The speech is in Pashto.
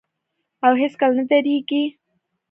او هیڅکله نه دریږي.